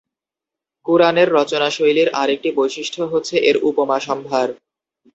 কুরআনের রচনাশৈলীর আর একটি বৈশিষ্ট্য হচ্ছে এর উপমাসম্ভার।